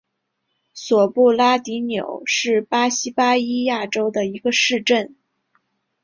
索布拉迪纽是巴西巴伊亚州的一个市镇。